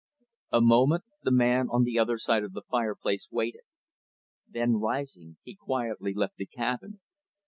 A moment, the man on the other side of the fireplace waited. Then, rising, he quietly left the cabin.